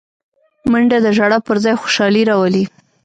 منډه د ژړا پر ځای خوشالي راولي